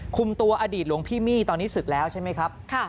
คุมตัวอดีตหลวงพี่มี่ตอนนี้ศึกแล้วใช่ไหมครับ